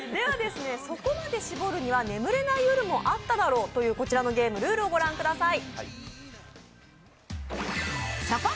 「そこまで絞るには眠れない夜もあっただろ」というこちらのゲームのルールをご覧ください。